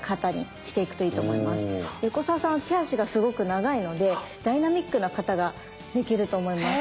横澤さんは手足がすごく長いのでダイナミックな形ができると思います。